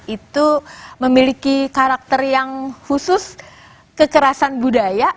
itu memiliki karakter yang khusus kekerasan budaya